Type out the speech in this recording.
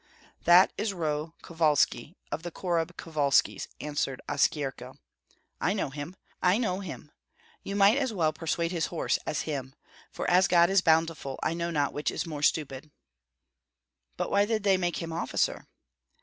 "That is Roh Kovalski of the Korab Kovalskis," answered Oskyerko. "I know him. You might as well persuade his horse as him; for as God is bountiful I know not which is more stupid." "But why did they make him officer?"